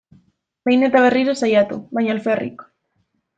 Behin eta berriro saiatu, baina alferrik.